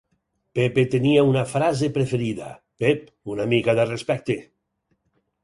Pepe tenia una frase preferida: "Ep! una mica de respecte!".